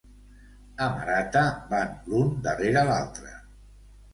A Marata van l'un darrere l'altre